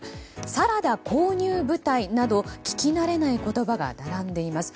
サラダ購入部隊など聞きなれない言葉が並んでいます。